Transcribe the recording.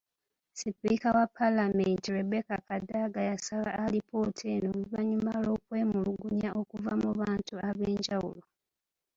Sipiika wa Paalamenti Rebecca Kadaga yasaba alipoota eno oluvannyuma lw'okwemulugunya okuva mu bantu ab'enjawulo.